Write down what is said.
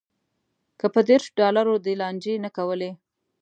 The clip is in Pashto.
که په دېرش ډالرو دې لانجې نه کولی.